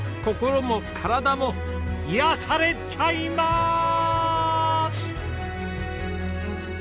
心も体も癒やされちゃいます！